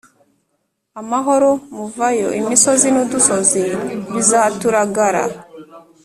Amahoro muvayo imisozi n udusozi bizaturagara